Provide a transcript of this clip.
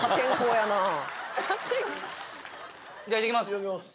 いただきます。